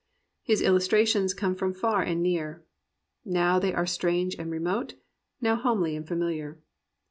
His illustrations come from far and near. Now they are strange and remote, now homely and familiar.